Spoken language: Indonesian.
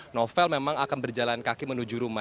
novel memang akan berjalan kaki menuju rumah